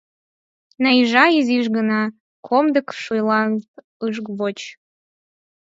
— Найжа изиш гына комдык шуйналт ыш воч.